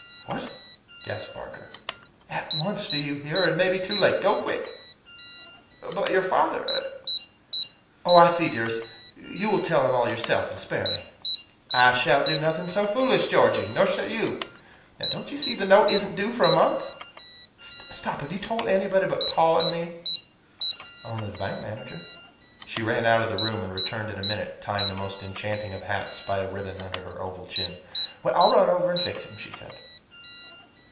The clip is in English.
"What?" gasped Barker. "At once do you hear? or it may be too late! Go quick." "But your father Oh, I see, dearest, you will tell him all yourself, and spare me." "I shall do nothing so foolish, Georgey. Nor shall you! Don't you see the note isn't due for a month? Stop! Have you told anybody but Paw and me?" "Only the bank manager." She ran out of the room and returned in a minute tying the most enchanting of hats by a ribbon under her oval chin. "I'll run over and fix him," she said.